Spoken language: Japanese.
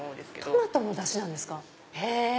トマトのダシなんですか